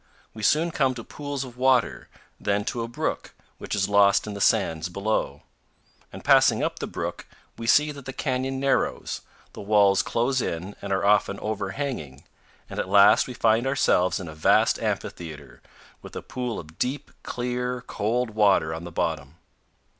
We soon come to pools of water; then to a brook, which is lost in the sands below; and passing up the brook, we see that the canyon narrows, the walls close in and are often overhanging, and at last we find ourselves in a vast amphitheater, with a pool of deep, clear, cold water on the bottom.